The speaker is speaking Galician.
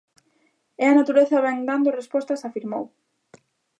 E a natureza vén dando respostas, afirmou.